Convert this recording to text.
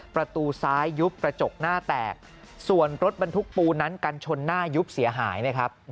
ประตูซ้ายยุบกระจกหน้าแตกส่วนรถบรรทุกปูนั้นกันชนหน้ายุบเสียหายนะครับ